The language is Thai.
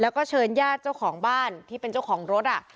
แล้วก็เชิญญาติเจ้าของบ้านที่เป็นเจ้าของรถ